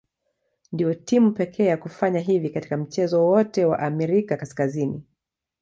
Ndio timu pekee ya kufanya hivi katika mchezo wowote wa Amerika Kaskazini.